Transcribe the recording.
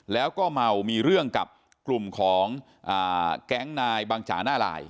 แล้วก็เมามีเรื่องกับกลุ่มของแก๊งนายบังจ๋าหน้าลาย